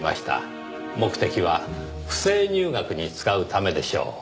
目的は不正入学に使うためでしょう。